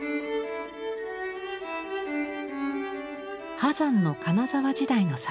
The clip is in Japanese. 波山の金沢時代の作品。